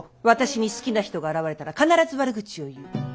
私に好きな人が現れたら必ず悪口を言う。